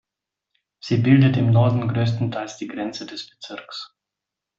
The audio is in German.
Sie bildet im Norden größtenteils die Grenze des Bezirks.